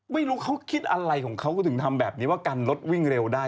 ไม่รู้เขาคิดอะไรของเขาก็ถึงทำแบบนี้ว่ากันรถวิ่งเร็วได้